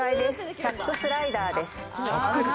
チャックスライダーです。